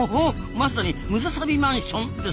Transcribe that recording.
まさにムササビマンションですなあ。